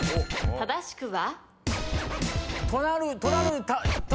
正しくは？